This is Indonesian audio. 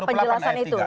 apa penjelasan itu